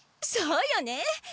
そうよね。